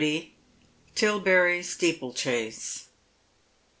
TILBERRY STEEPLECHASE.